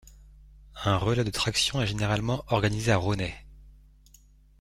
Un relais de traction est généralement organisé à Ronet.